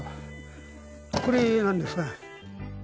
これなんですが。